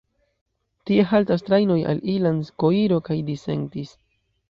Tie haltas trajnoj al Ilanz, Koiro kaj Disentis.